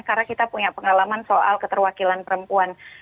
karena kita punya pengalaman soal keterwakilan perempuan